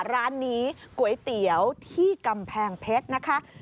ร้านนี้ก๋วยเตี๋ยวที่กำแพงเพชรนะคะ